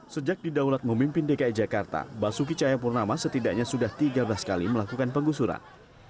sejak didaulat memimpin dki jakarta basuki cahayapurnama setidaknya sudah tiga belas kali melakukan penggusuran